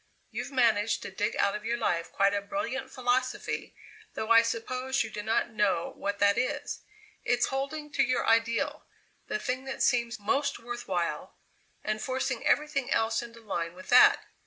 You've managed to dig out of your life quite a brilliant philosophy, though I suppose you do not know what that is. It's holding to your ideal, the thing that seems most worth while, and forcing everything else into line with that.